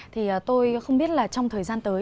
thì tôi không biết trong thời gian tới